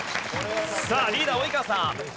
さあリーダー及川さん。